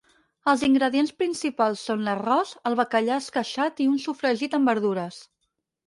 Els ingredients principals són l'arròs, el bacallà esqueixat i un sofregit amb verdures.